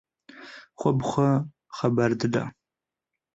Xwe bi xwe xeber dida.